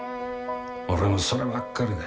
俺もそればっかりだ。